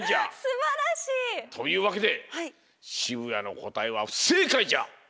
すばらしい！というわけで渋谷のこたえはふせいかいじゃ！